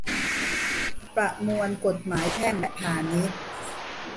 ประมวลกฎหมายแพ่งและพาณิชย์